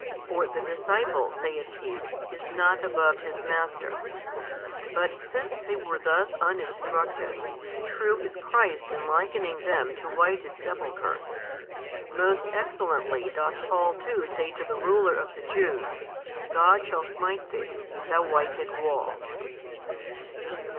For the disciple, saith He, is not above his master. But since they were thus uninstructed, true is Christ in likening them to whited sepulchres. Most excellently doth Paul too say to the ruler of the Jews, God shall smite thee, thou whited wall.